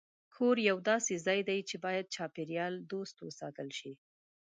کور یو داسې ځای دی چې باید چاپېریال دوست وساتل شي.